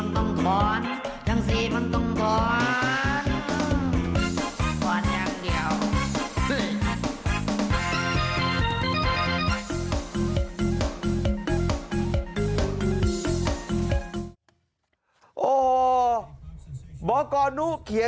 ทั้งสี่มันต้องท้อนทั้งสี่มันต้องท้อนท้อนอย่างเดียว